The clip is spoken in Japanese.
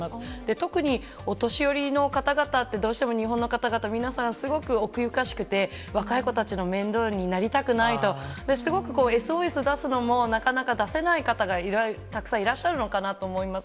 特にお年寄りの方々、どうしても日本の方々、皆さん、すごく奥ゆかしくて、若い子たちの面倒になりたくないと、すごくＳＯＳ出すのも、なかなか出せない方がたくさんいらっしゃるのかなと思います。